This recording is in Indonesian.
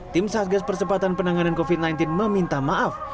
tim satgas percepatan penanganan covid sembilan belas meminta maaf